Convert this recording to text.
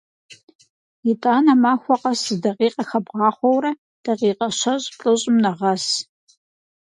ИтӀанэ махуэ къэс зы дакъикъэ хэбгъахъуэурэ, дакъикъэ щэщӀ-плӀыщӀым нэгъэс.